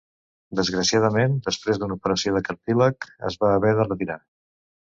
Desgraciadament, després d'una operació de cartílag es va haver de retirar.